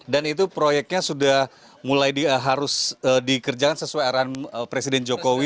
dan itu proyeknya sudah mulai harus dikerjakan sesuai arahan presiden jokowi